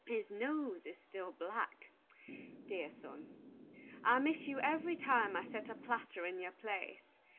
His nose is still black. Dear son: I miss you every time I set a platter in your place.